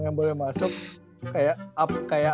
yang boleh masuk kayak